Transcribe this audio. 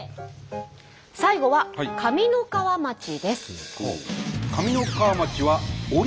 最後は上三川町です。